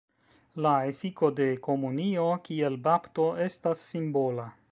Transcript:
La efiko de komunio, kiel bapto, estas simbola.